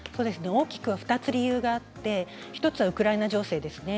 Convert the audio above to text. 大きく２つ理由があって１つはウクライナ情勢です。